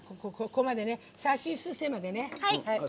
ここまで、さしすせまでね。